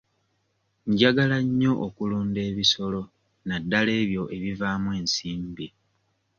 Njagala nnyo okulunda ebisolo naddala ebyo ebivaamu ensimbi.